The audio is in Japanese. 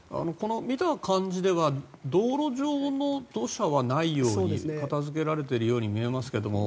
見た感じでは道路上の土砂はないように片付けられているように見えますけれども。